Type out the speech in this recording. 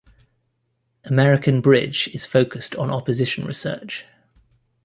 American Bridge is focused on opposition research.